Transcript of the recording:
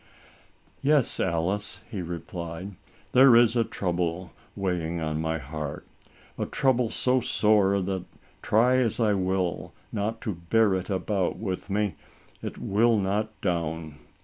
"Yes, Alice," he replied, "there is a trouble weighing on my heart — a trouble so sore that, try as I will not to bear it about with me, it 'will not down.